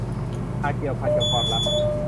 อาจเกี่ยวพันกับความรัก